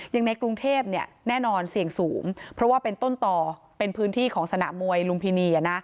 ในกรุงเทพแน่นอนเสี่ยงสูงเพราะว่าเป็นต้นต่อเป็นพื้นที่ของสนามมวยลุมพินี